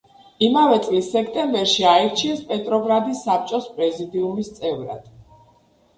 იმავე წლის სექტემბერში აირჩიეს პეტროგრადის საბჭოს პრეზიდიუმის წევრად.